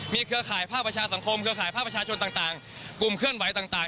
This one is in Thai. เครือข่ายภาคประชาสังคมเครือข่ายภาคประชาชนต่างกลุ่มเคลื่อนไหวต่าง